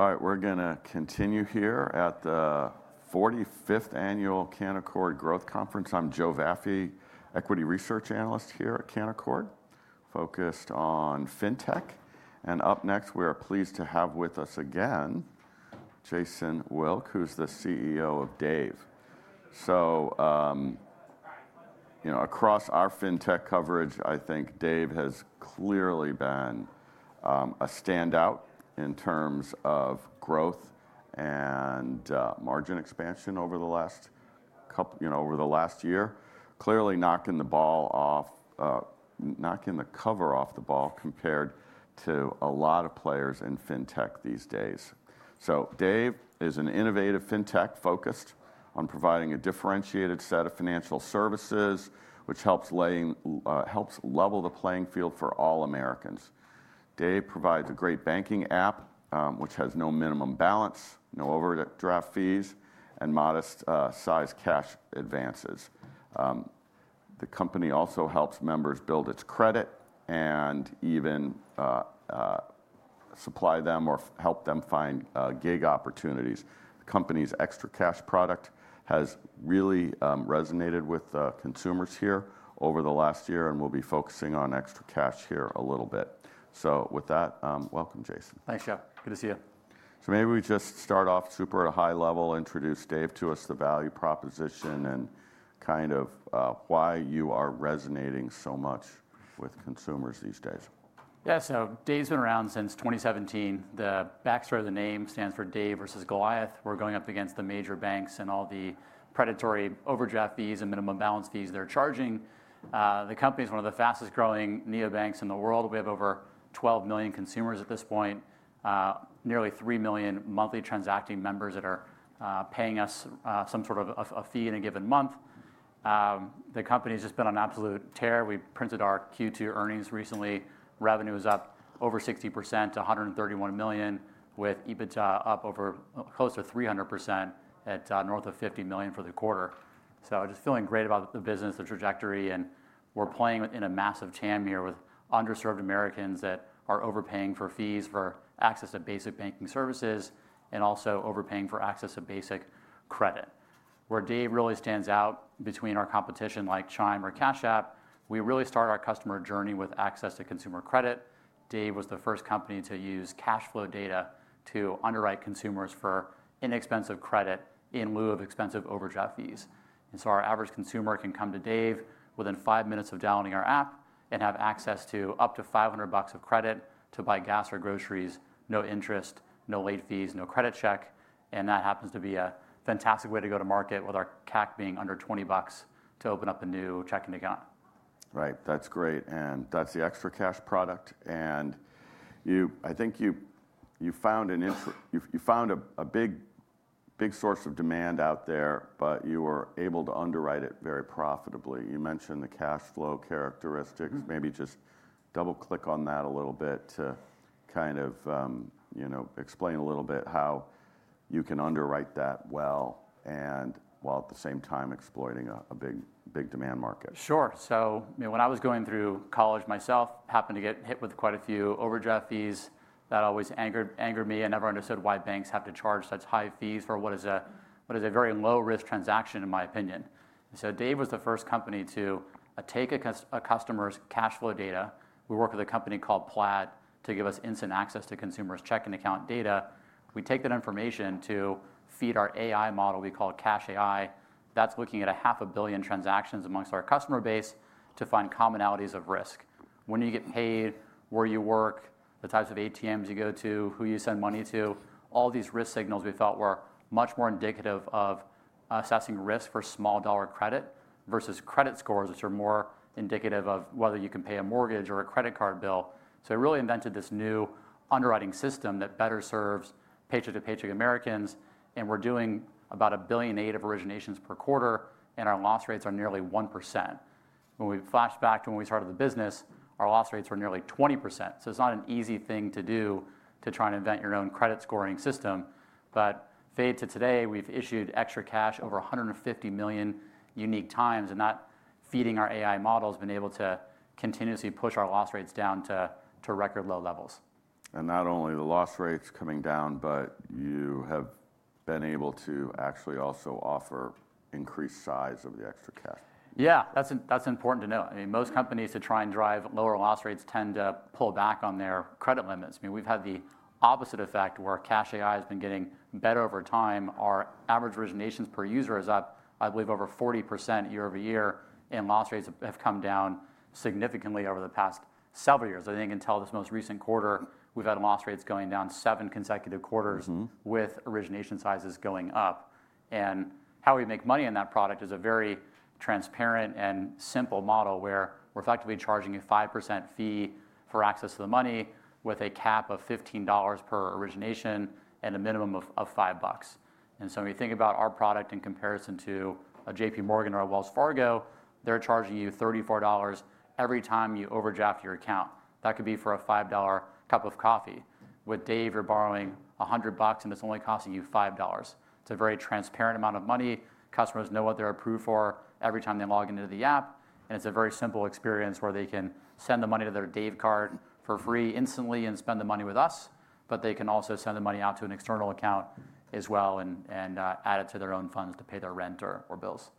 All right, we're going to continue here at the 45th annual Canaccord Growth Conference. I'm Joe Vafi, Equity Research Analyst here at Canaccord, focused on fintech. Up next, we are pleased to have with us again Jason Wilk, who's the CEO of Dave. Across our fintech coverage, I think Dave has clearly been a standout in terms of growth and margin expansion over the last year. Clearly knocking the cover off the ball compared to a lot of players in fintech these days. Dave is an innovative fintech focused on providing a differentiated set of financial services, which helps level the playing field for all Americans. Dave provides a great banking app, which has no minimum balance, no overdraft fees, and modest size cash advances. The company also helps members build its credit and even help them find gig opportunities. The company's ExtraCash product has really resonated with consumers here over the last year, and we'll be focusing on ExtraCash here a little bit. With that, welcome, Jason. Thanks, Joe. Good to see you. Maybe we just start off super at a high level, introduce Dave to us, the value proposition, and kind of why you are resonating so much with consumers these days. Yeah, so Dave's been around since 2017. The backstory of the name stands for Dave versus Goliath. We're going up against the major banks and all the predatory overdraft fees and minimum balance fees they're charging. The company is one of the fastest growing neobanks in the world. We have over 12 million consumers at this point, nearly 3 million monthly transacting members that are paying us some sort of a fee in a given month. The company has just been on absolute tear. We printed our Q2 earnings recently. Revenue is up over 60% to $131 million, with EBITDA up over close to 300% at north of $50 million for the quarter. Just feeling great about the business, the trajectory, and we're playing in a massive TAM here with underserved Americans that are overpaying for fees for access to basic banking services and also overpaying for access to basic credit. Where Dave really stands out between our competition like Chime or Cash App, we really started our customer journey with access to consumer credit. Dave was the first company to use cash flow data to underwrite consumers for inexpensive credit in lieu of expensive overdraft fees. Our average consumer can come to Dave within five minutes of downloading our app and have access to up to $500 of credit to buy gas or groceries, no interest, no late fees, no credit check. That happens to be a fantastic way to go to market with our CAC being under $20 to open up a new checking account. Right, that's great. That's the ExtraCash product. I think you found a big, big source of demand out there, but you were able to underwrite it very profitably. You mentioned the cash flow characteristics. Maybe just double click on that a little bit to explain a little bit how you can underwrite that well while at the same time exploiting a big, big demand market. Sure. I mean, when I was going through college myself, I happened to get hit with quite a few overdraft fees that always angered me. I never understood why banks have to charge such high fees for what is a very low-risk transaction, in my opinion. Dave was the first company to take a customer's cash flow data. We worked with a company called Plaid to give us instant access to consumers' checking account data. We take that information to feed our AI model we call CashAI. That's looking at half a billion transactions amongst our customer base to find commonalities of risk. When you get paid, where you work, the types of ATMs you go to, who you send money to, all these risk signals we felt were much more indicative of assessing risk for small dollar credit versus credit scores, which are more indicative of whether you can pay a mortgage or a credit card bill. I really invented this new underwriting system that better serves paycheck to paycheck Americans. We're doing about $1 billion of originations per quarter, and our loss rates are nearly 1%. When we flashback to when we started the business, our loss rates were nearly 20%. It's not an easy thing to do to try and invent your own credit scoring system. Fade to today, we've issued ExtraCash over 150 million unique times, and that feeding our AI model has been able to continuously push our loss rates down to record low levels. Not only have the loss rates come down, but you have been able to actually also offer increased size of the ExtraCash. Yeah, that's important to note. I mean, most companies that try and drive lower loss rates tend to pull back on their credit limits. I mean, we've had the opposite effect where CashAI has been getting better over time. Our average originations per user is up, I believe, over 40% year-over-year, and loss rates have come down significantly over the past several years. I think you can tell this most recent quarter, we've had loss rates going down seven consecutive quarters with origination sizes going up. How we make money in that product is a very transparent and simple model where we're effectively charging a 5% fee for access to the money with a cap of $15 per origination and a minimum of $5. When you think about our product in comparison to a JPMorgan or a Wells Fargo, they're charging you $34 every time you overdraft your account. That could be for a $5 cup of coffee. With Dave, you're borrowing $100, and it's only costing you $5. It's a very transparent amount of money. Customers know what they're approved for every time they log into the app. It's a very simple experience where they can send the money to their Dave debit card for free instantly and spend the money with us. They can also send the money out to an external account as well and add it to their own funds to pay their rent or bills.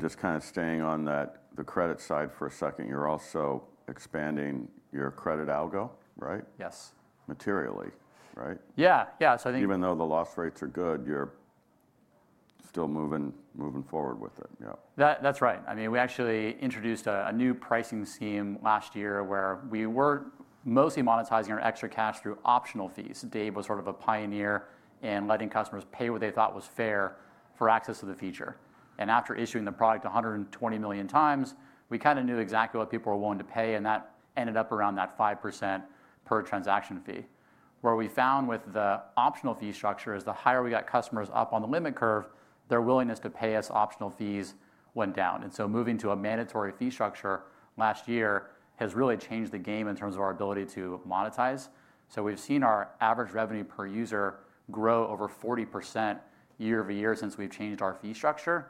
Just kind of staying on the credit side for a second, you're also expanding your credit algo, right? Yes. Materially, right? Yeah, yeah. Even though the loss rates are good, you're still moving forward with it. That's right. I mean, we actually introduced a new pricing scheme last year where we were mostly monetizing our ExtraCash through optional fees. Dave was sort of a pioneer in letting customers pay what they thought was fair for access to the feature. After issuing the product 120 million times, we kind of knew exactly what people were willing to pay, and that ended up around that 5% per transaction fee. Where we found with the optional fee structure, the higher we got customers up on the limit curve, their willingness to pay us optional fees went down. Moving to a mandatory fee structure last year has really changed the game in terms of our ability to monetize. We've seen our ARPU grow over 40% year-over-year since we've changed our fee structure.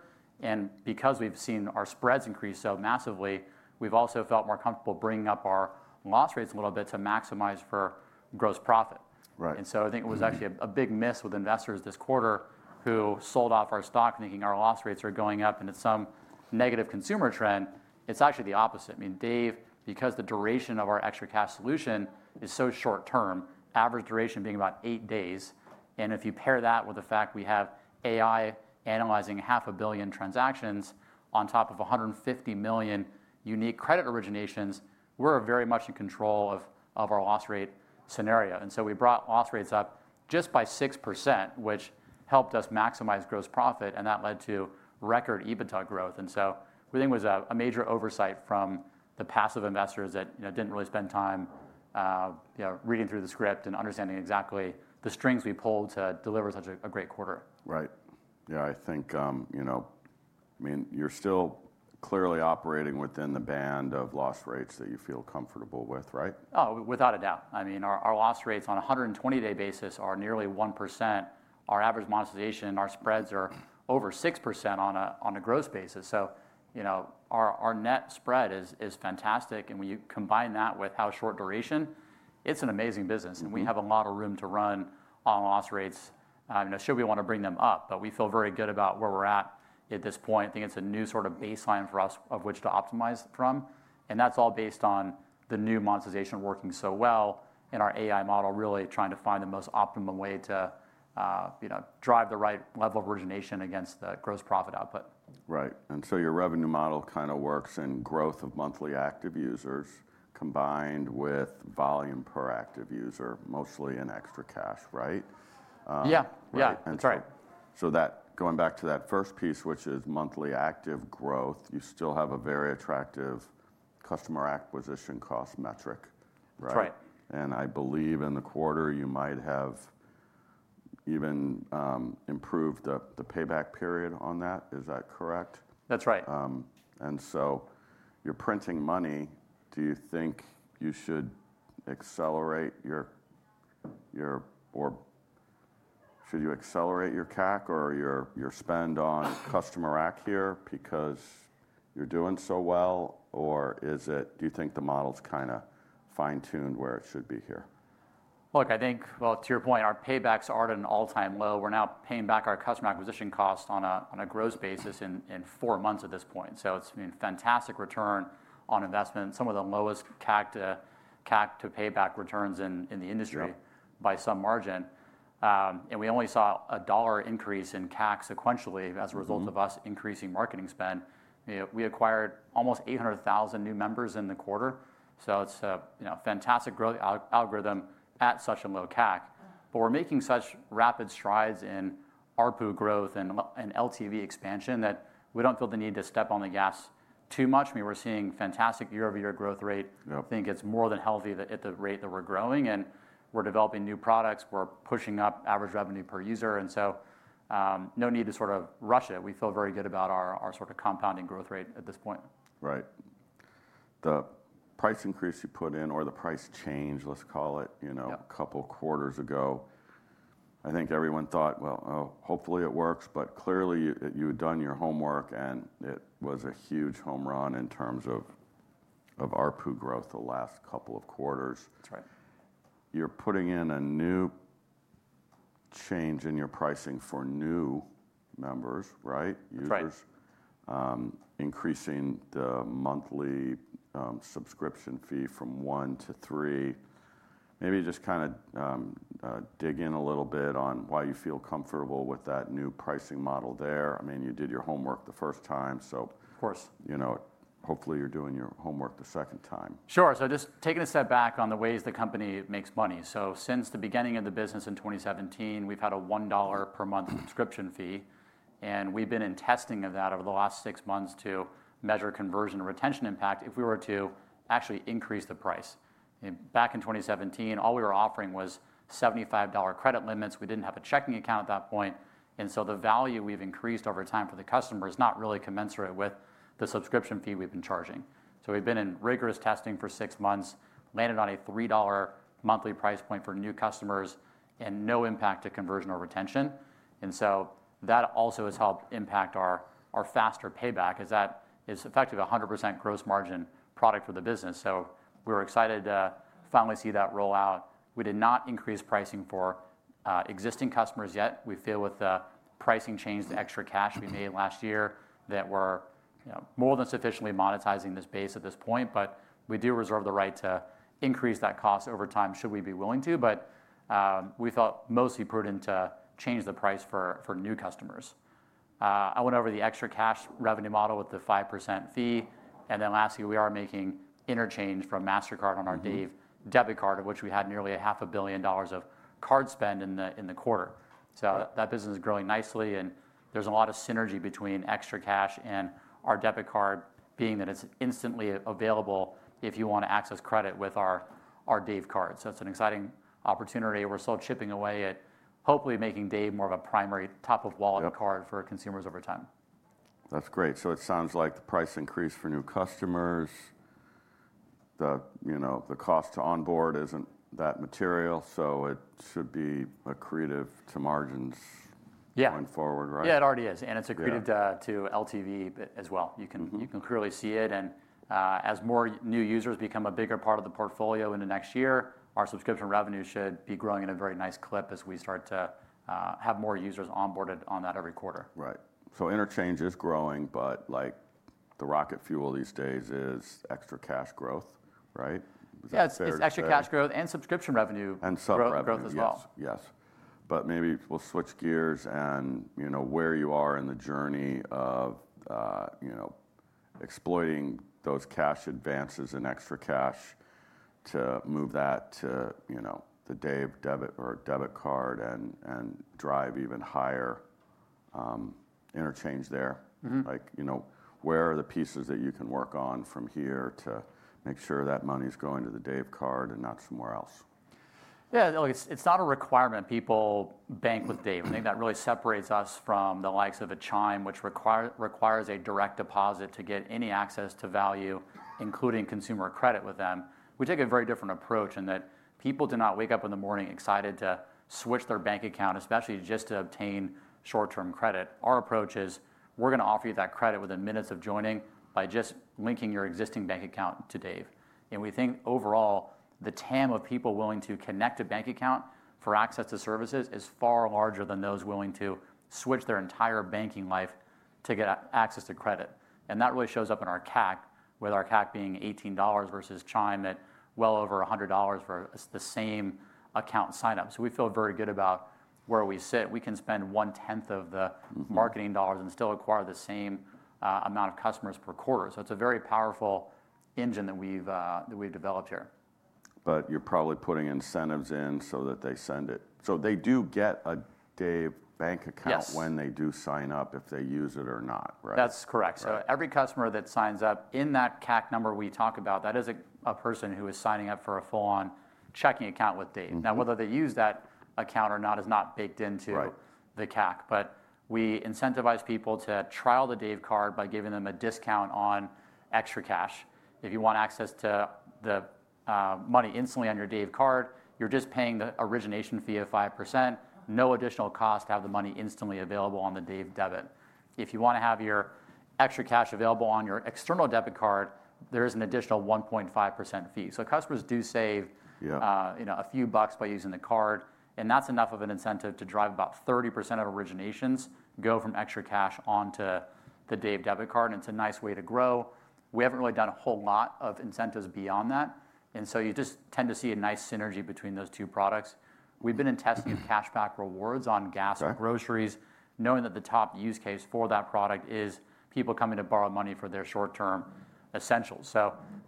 Because we've seen our spreads increase so massively, we've also felt more comfortable bringing up our loss rates a little bit to maximize for gross profit. I think it was actually a big miss with investors this quarter who sold off our stock thinking our loss rates are going up and it's some negative consumer trend. It's actually the opposite. Dave, because the duration of our ExtraCash solution is so short term, average duration being about eight days, and if you pair that with the fact we have AI analyzing half a billion transactions on top of 150 million unique credit originations, we're very much in control of our loss rate scenario. We brought loss rates up just by 6%, which helped us maximize gross profit, and that led to record EBITDA growth. We think it was a major oversight from the passive investors that didn't really spend time reading through the script and understanding exactly the strings we pulled to deliver such a great quarter. Right. Yeah, I think you're still clearly operating within the band of loss rates that you feel comfortable with, right? Oh, without a doubt. I mean, our loss rates on a 120-day basis are nearly 1%. Our average monetization and our spreads are over 6% on a gross basis. Our net spread is fantastic. When you combine that with how short duration, it's an amazing business. We have a lot of room to run on loss rates, should we want to bring them up. We feel very good about where we're at at this point. I think it's a new sort of baseline for us of which to optimize from. That's all based on the new monetization working so well and our AI model really trying to find the most optimum way to drive the right level of origination against the gross profit output. Right. Your revenue model kind of works in growth of monthly active users combined with volume per active user, mostly in ExtraCash, right? Yeah, yeah, that's right. Going back to that first piece, which is monthly active growth, you still have a very attractive customer acquisition cost metric, right? That's right. I believe in the quarter you might have even improved the payback period on that. Is that correct? That's right. You're printing money. Do you think you should accelerate your CAC or your spend on customer acquisition here because you're doing so well? Do you think the model's kind of fine-tuned where it should be here? Look, I think, to your point, our paybacks are at an all-time low. We're now paying back our customer acquisition cost on a gross basis in four months at this point. It's been a fantastic return on investment, some of the lowest CAC to payback returns in the industry by some margin. We only saw a $1 increase in CAC sequentially as a result of us increasing marketing spend. We acquired almost 800,000 new members in the quarter. It's a fantastic growth algorithm at such a low CAC. We're making such rapid strides in ARPU growth and LTV expansion that we don't feel the need to step on the gas too much. I mean, we're seeing fantastic year-over-year growth rate. I think it's more than healthy at the rate that we're growing. We're developing new products. We're pushing up average revenue per user, and no need to sort of rush it. We feel very good about our sort of compounding growth rate at this point. Right. The price increase you put in, or the price change, let's call it, a couple of quarters ago, I think everyone thought, hopefully it works. Clearly, you had done your homework and it was a huge home run in terms of ARPU growth the last couple of quarters. That's right. You're putting in a new change in your pricing for new members, right? That's right. Increasing the monthly subscription fee from $1 to $3. Maybe just kind of dig in a little bit on why you feel comfortable with that new pricing model there. I mean, you did your homework the first time. Of course. You know, hopefully you're doing your homework the second time. Sure. Just taking a step back on the ways the company makes money. Since the beginning of the business in 2017, we've had a $1 per month subscription fee. We've been in testing of that over the last six months to measure conversion and retention impact if we were to actually increase the price. Back in 2017, all we were offering was $75 credit limits. We didn't have a checking account at that point. The value we've increased over time for the customer is not really commensurate with the subscription fee we've been charging. We've been in rigorous testing for six months and landed on a $3 monthly price point for new customers with no impact to conversion or retention. That also has helped impact our faster payback. It's effectively a 100% gross margin product for the business. We're excited to finally see that roll out. We did not increase pricing for existing customers yet. We feel with the pricing change and the ExtraCash we made last year that we're more than sufficiently monetizing this base at this point. We do reserve the right to increase that cost over time should we be willing to. We felt mostly prudent to change the price for new customers. I went over the ExtraCash revenue model with the 5% fee. Lastly, we are making interchange from Mastercard on our Dave debit card, of which we had nearly half a billion dollars of card spend in the quarter. That business is growing nicely. There's a lot of synergy between ExtraCash and our debit card, being that it's instantly available if you want to access credit with our Dave card. It's an exciting opportunity. We're still chipping away at hopefully making Dave more of a primary top-of-wallet card for consumers over time. That's great. It sounds like the price increase for new customers, the cost to onboard isn't that material. It should be accretive to margins going forward, right? Yeah, it already is. It's accreted to LTV as well. You can clearly see it. As more new users become a bigger part of the portfolio in the next year, our subscription revenue should be growing at a very nice clip as we start to have more users onboarded on that every quarter. Right. Interchange is growing, but like the rocket fuel these days is ExtraCash growth, right? Yeah, it's ExtraCash growth and subscription revenue. Subscription revenue. Growth as well. Yes. Maybe we'll switch gears and, you know, where you are in the journey of, you know, exploiting those cash advances and ExtraCash to move that to, you know, the Dave debit or debit card and drive even higher interchange there. Like, you know, where are the pieces that you can work on from here to make sure that money is going to the Dave card and not somewhere else? Yeah, it's not a requirement people bank with Dave. I think that really separates us from the likes of Chime, which requires a direct deposit to get any access to value, including consumer credit with them. We take a very different approach in that people do not wake up in the morning excited to switch their bank account, especially just to obtain short-term credit. Our approach is we're going to offer you that credit within minutes of joining by just linking your existing bank account to Dave. We think overall, the TAM of people willing to connect a bank account for access to services is far larger than those willing to switch their entire banking life to get access to credit. That really shows up in our CAC, with our CAC being $18 versus Chime at well over $100 for the same account signup. We feel very good about where we sit. We can spend 1/10 of the marketing dollars and still acquire the same amount of customers per quarter. It's a very powerful engine that we've developed here. You're probably putting incentives in so that they send it. They do get a Dave bank account when they do sign up if they use it or not, right? That's correct. Every customer that signs up in that CAC number we talk about, that is a person who is signing up for a full-on checking account with Dave. Whether they use that account or not is not baked into the CAC. We incentivize people to trial the Dave card by giving them a discount on ExtraCash. If you want access to the money instantly on your Dave card, you're just paying the origination fee of 5%. No additional cost to have the money instantly available on the Dave debit card. If you want to have your ExtraCash available on your external debit card, there is an additional 1.5% fee. Customers do save a few bucks by using the card, and that's enough of an incentive to drive about 30% of originations from ExtraCash onto the Dave debit card. It's a nice way to grow. We haven't really done a whole lot of incentives beyond that, so you just tend to see a nice synergy between those two products. We've been in testing of cashback rewards on gas and groceries, knowing that the top use case for that product is people coming to borrow money for their short-term essentials.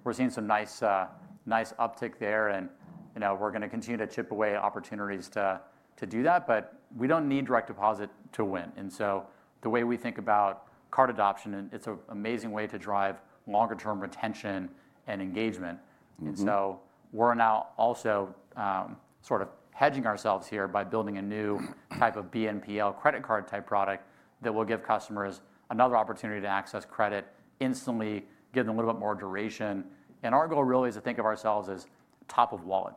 We're seeing some nice uptick there, and we're going to continue to chip away at opportunities to do that. We don't need direct deposit to win. The way we think about card adoption, it's an amazing way to drive longer-term retention and engagement. We're now also sort of hedging ourselves here by building a new type of BNPL credit card type product that will give customers another opportunity to access credit instantly and give them a little bit more duration. Our goal really is to think of ourselves as top of wallet.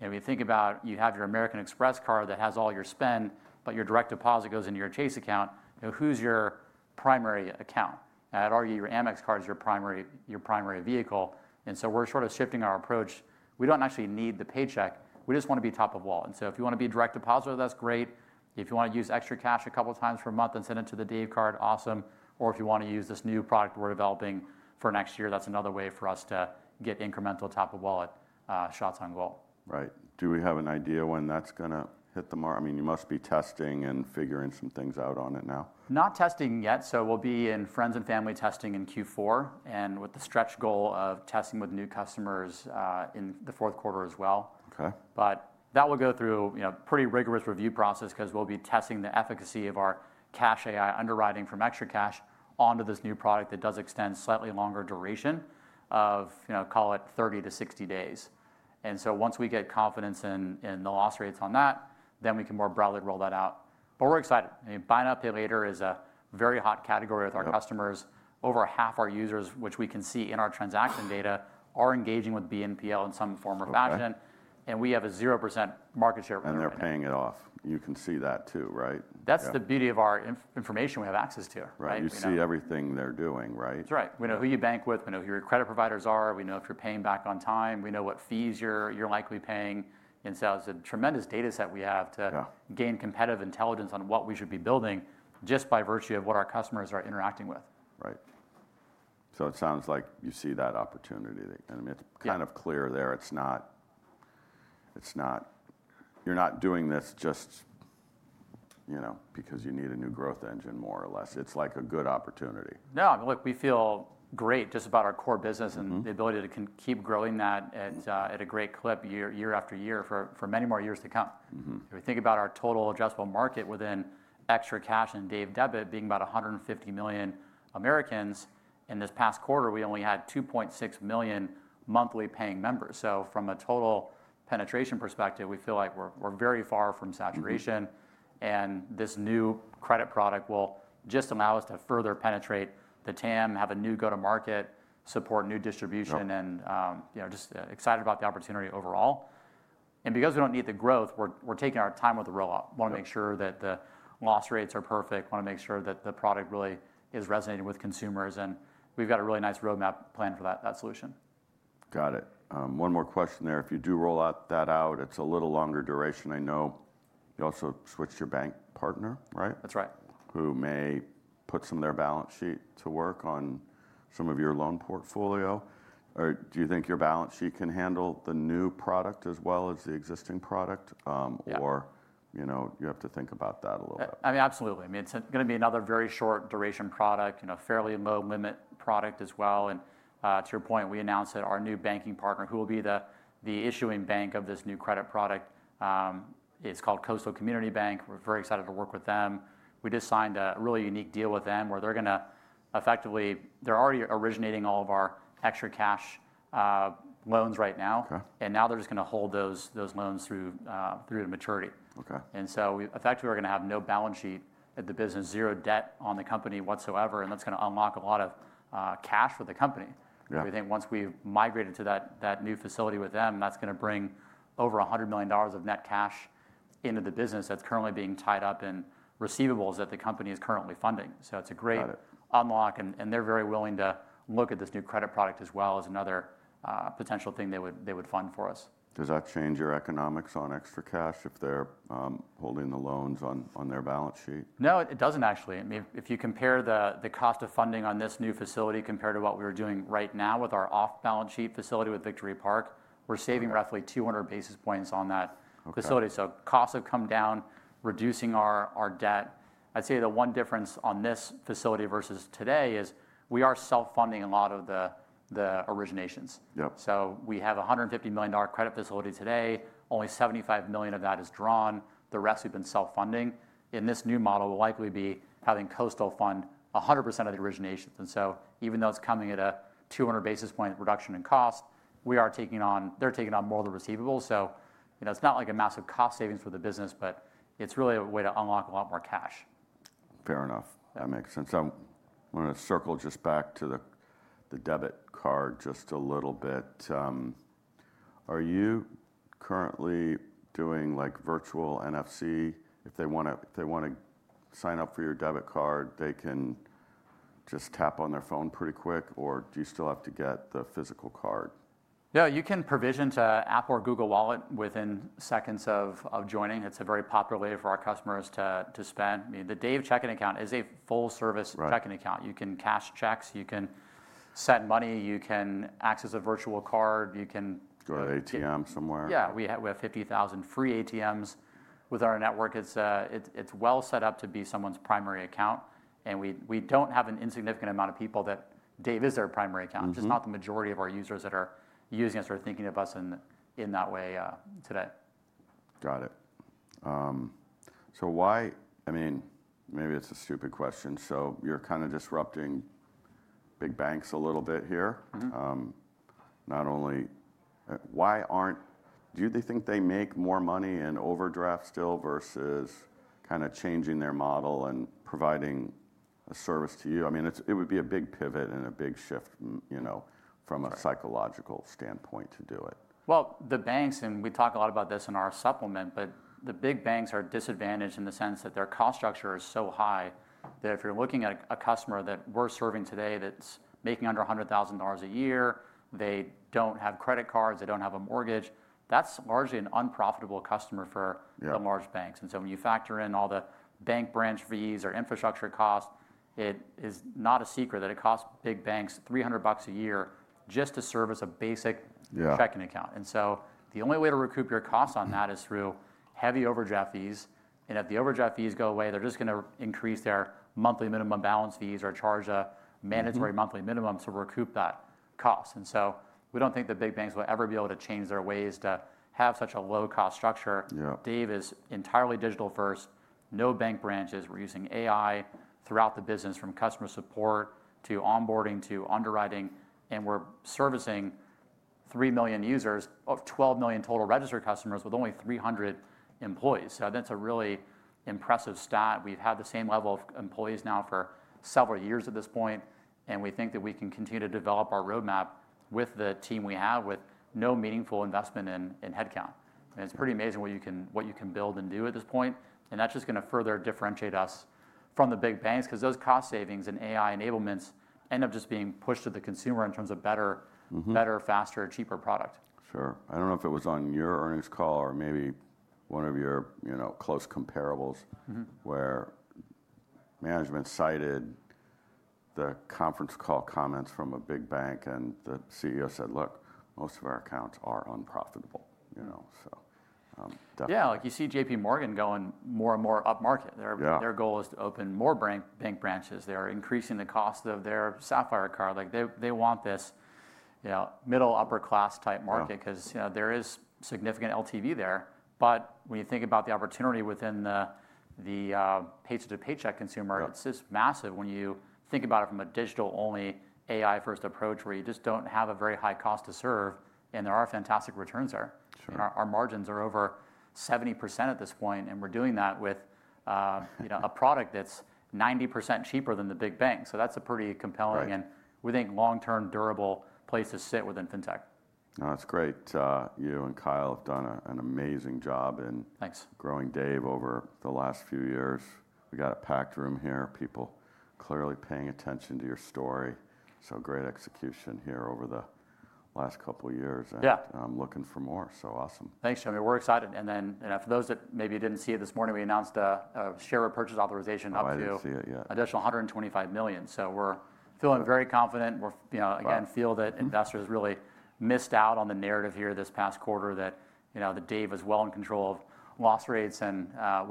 We think about you have your American Express card that has all your spend, but your direct deposit goes into your Chase account. Who's your primary account? I'd argue your Amex card is your primary vehicle. We're sort of shifting our approach. We don't actually need the paycheck. We just want to be top of wallet. If you want to be direct depositor, that's great. If you want to use ExtraCash a couple of times per month and send it to the Dave card, awesome. If you want to use this new product we're developing for next year, that's another way for us to get incremental top of wallet shots on the wall. Right. Do we have an idea when that's going to hit the mark? I mean, you must be testing and figuring some things out on it now. Not testing yet. We'll be in friends and family testing in Q4, with the stretch goal of testing with new customers in the fourth quarter as well. OK. That will go through a pretty rigorous review process because we'll be testing the efficacy of our CashAI underwriting from ExtraCash onto this new product that does extend slightly longer duration of, you know, call it 30-60 days. Once we get confidence in the loss rates on that, we can more broadly roll that out. We're excited. Buy now, pay later is a very hot category with our customers. Over half our users, which we can see in our transaction data, are engaging with BNPL in some form or fashion. We have a 0% market share of BNPL. They're paying it off. You can see that too, right? That's the beauty of our information we have access to, right? You see everything they're doing, right? That's right. We know who you bank with. We know who your credit providers are. We know if you're paying back on time. We know what fees you're likely paying. It is a tremendous data set we have to gain competitive intelligence on what we should be building just by virtue of what our customers are interacting with. Right. It sounds like you see that opportunity, and it's kind of clear there. You're not doing this just because you need a new growth engine, more or less. It's like a good opportunity. No, I mean, look, we feel great just about our core business and the ability to keep growing that at a great clip year after year for many more years to come. If we think about our total addressable market within ExtraCash and Dave debit being about 150 million Americans, in this past quarter, we only had 2.6 million monthly paying members. From a total penetration perspective, we feel like we're very far from saturation. This new credit product will just allow us to further penetrate the TAM, have a new go-to-market, support new distribution, and just excited about the opportunity overall. Because we don't need the growth, we're taking our time with the rollout. We want to make sure that the loss rates are perfect. We want to make sure that the product really is resonating with consumers. We've got a really nice roadmap plan for that solution. Got it. One more question there. If you do roll that out, it's a little longer duration, I know. You also switched your bank partner, right? That's right. Who may put some of their balance sheet to work on some of your loan portfolio, or do you think your balance sheet can handle the new product as well as the existing product? You have to think about that a little bit. Absolutely. It's going to be another very short duration product, you know, fairly low limit product as well. To your point, we announced that our new banking partner, who will be the issuing bank of this new credit product, is called Coastal Community Bank. We're very excited to work with them. We just signed a really unique deal with them where they're going to effectively, they're already originating all of our ExtraCash loans right now, and now they're just going to hold those loans through the maturity. We effectively are going to have no balance sheet at the business, zero debt on the company whatsoever. That's going to unlock a lot of cash for the company. We think once we migrate into that new facility with them, that's going to bring over $100 million of net cash into the business that's currently being tied up in receivables that the company is currently funding. It's a great unlock. They're very willing to look at this new credit product as well as another potential thing they would fund for us. Does that change your economics on ExtraCash if they're holding the loans on their balance sheet? No, it doesn't actually. I mean, if you compare the cost of funding on this new facility compared to what we were doing right now with our off-balance sheet facility with Victory Park, we're saving roughly 200 basis points on that facility. Costs have come down, reducing our debt. I'd say the one difference on this facility versus today is we are self-funding a lot of the originations. We have a $150 million credit facility today. Only $75 million of that is drawn. The rest we've been self-funding. In this new model, we'll likely be having Coastal fund 100% of the originations. Even though it's coming at a 200 basis point reduction in cost, they're taking on more of the receivables. It's not like a massive cost savings for the business, but it's really a way to unlock a lot more cash. Fair enough. That makes sense. I want to circle just back to the debit card a little bit. Are you currently doing like virtual NFC? If they want to sign up for your debit card, they can just tap on their phone pretty quick, or do you still have to get the physical card? Yeah, you can provision to Apple or Google Wallet within seconds of joining. It's a very popular way for our customers to spend. I mean, the Dave checking account is a full-service checking account. You can cash checks, send money, and access a virtual card. Go to ATM somewhere. Yeah, we have 50,000 free ATMs with our network. It's well set up to be someone's primary account. We don't have an insignificant amount of people that Dave is their primary account. It's just not the majority of our users that are using us or thinking of us in that way today. Got it. Why, I mean, maybe it's a stupid question. You're kind of disrupting big banks a little bit here. Not only, why aren't, do they think they make more money in overdraft still versus kind of changing their model and providing a service to you? It would be a big pivot and a big shift, you know, from a psychological standpoint to do it. The banks, and we talk a lot about this in our supplement, but the big banks are disadvantaged in the sense that their cost structure is so high that if you're looking at a customer that we're serving today that's making under $100,000 a year, they don't have credit cards, they don't have a mortgage, that's largely an unprofitable customer for the large banks. When you factor in all the bank branch fees or infrastructure costs, it is not a secret that it costs big banks $300 a year just to service a basic checking account. The only way to recoup your costs on that is through heavy overdraft fees. If the overdraft fees go away, they're just going to increase their monthly minimum balance fees or charge a mandatory monthly minimum to recoup that cost. We don't think the big banks will ever be able to change their ways to have such a low-cost structure. Dave is entirely digital-first, no bank branches. We're using AI throughout the business from customer support to onboarding to underwriting. We're servicing 3 million users of 12 million total registered customers with only 300 employees. I think it's a really impressive stat. We've had the same level of employees now for several years at this point. We think that we can continue to develop our roadmap with the team we have with no meaningful investment in headcount. I mean, it's pretty amazing what you can build and do at this point. That's just going to further differentiate us from the big banks because those cost savings and AI enablements end up just being pushed to the consumer in terms of better, better, faster, cheaper product. Sure. I don't know if it was on your earnings call or maybe one of your close comparables where management cited the conference call comments from a big bank and the CEO said, look, most of our accounts are unprofitable, you know. Yeah, like you see JPMorgan going more and more up market. Their goal is to open more bank branches. They're increasing the cost of their Sapphire card. They want this, you know, middle upper class type market because, you know, there is significant LTV there. When you think about the opportunity within the paycheck to paycheck consumer, it's just massive when you think about it from a digital-only AI-first approach where you just don't have a very high cost to serve. There are fantastic returns there. Our margins are over 70% at this point, and we're doing that with, you know, a product that's 90% cheaper than the big banks. That's a pretty compelling and we think long-term durable place to sit within fintech. No, that's great. You and Kyle have done an amazing job in growing Dave over the last few years. We've got a packed room here. People are clearly paying attention to your story. Great execution here over the last couple of years. I'm looking for more. Awesome. Thanks, Joe. I mean, we're excited. For those that maybe didn't see it this morning, we announced a share repurchase authorization up to an additional $125 million. We're feeling very confident. We feel that investors really missed out on the narrative here this past quarter that Dave is well in control of loss rates. We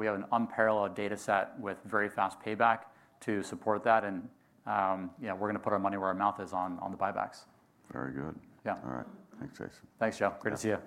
have an unparalleled data set with very fast payback to support that. We're going to put our money where our mouth is on the buybacks. Very good. Yeah. All right. Thanks, Jason. Thanks, Joe. Good to see you.